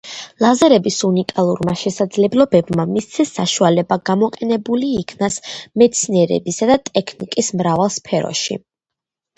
ლაზერების უნიკალურმა შესაძლებლობებმა მისცეს საშუალება გამოყენებული იქნას მეცნიერებისა და ტექნიკის მრავალ სფეროში.